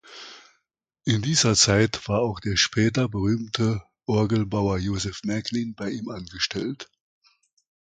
In dieser Zeit war auch der später berühmte Orgelbauer Joseph Merklin bei ihm angestellt.